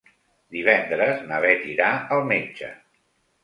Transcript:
Divendres na Bet irà al metge.